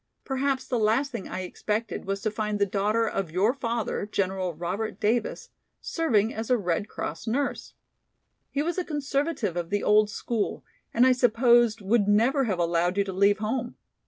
Perhaps the last thing I expected was to find the daughter of your father, General Robert Davis, serving as a Red Cross nurse. He was a conservative of the old school, and I supposed would never have allowed you to leave home.